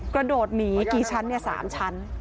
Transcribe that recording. กระโดดหนีกี่ชั้น๓ชั้น